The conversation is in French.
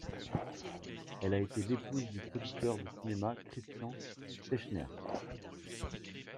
Elle a été l'épouse du producteur de cinéma Christian Fechner.